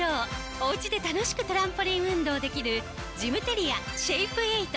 おうちで楽しくトランポリン運動できるジムテリアシェイプエイト。